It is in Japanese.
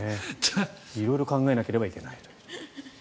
色々考えなければいけないと。